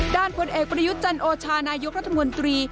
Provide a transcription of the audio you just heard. ผลเอกประยุทธ์จันโอชานายกรัฐมนตรี